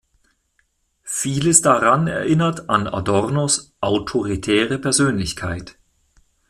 Vieles daran erinnert an Adornos „Autoritäre Persönlichkeit“.